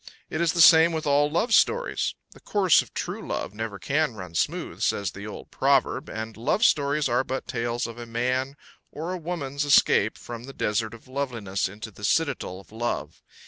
It is the same with all love stories. "The course of true love never can run smooth," says the old proverb, and love stories are but tales of a man or a woman's escape from the desert of lovelessness into the citadel of love.